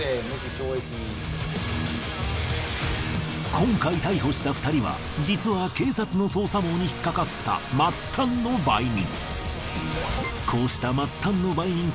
今回逮捕した２人は実は警察の捜査網に引っかかった末端の売人。